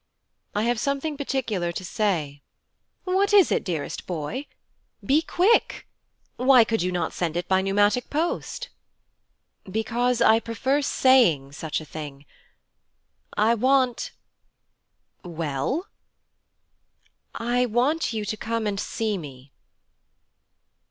I have something particular to say.' 'What is it, dearest boy? Be quick. Why could you not send it by pneumatic post?' 'Because I prefer saying such a thing. I want ' 'Well?' 'I want you to come and see me.'